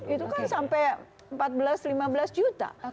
itu kan sampai empat belas lima belas juta